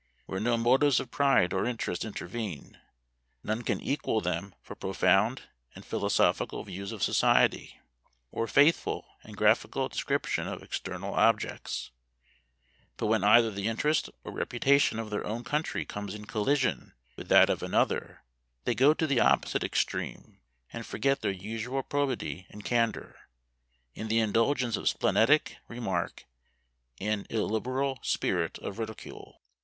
Where no motives of pride or interest intervene, none can equal them for profound and philosophical views of society, or faithful and graphical description of external objects; but when either the interest or reputation of their own country comes in collision with that of another, they go to the opposite extreme, and forget their usual probity and candor, in the indulgence of splenetic remark, and an illiberal spirit of ridicule.